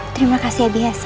terima kasih biasa